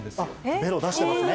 べろ出してますね。